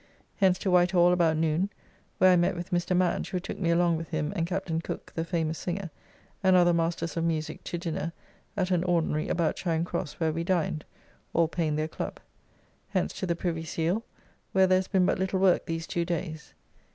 Hence to Whitehall about noon, where I met with Mr. Madge, who took me along with him and Captain Cooke (the famous singer) and other masters of music to dinner at an ordinary about Charing Cross where we dined, all paying their club. Hence to the Privy Seal, where there has been but little work these two days.